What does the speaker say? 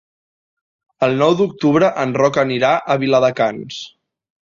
El nou d'octubre en Roc anirà a Viladecans.